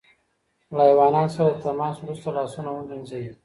له حیواناتو سره د تماس وروسته لاسونه ووینځئ.